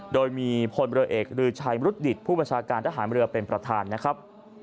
โดยมีพลเรือเอกรือชัยมรุฑดิตผู้บัญชาการทหารเรือเป็นประธานนะครับ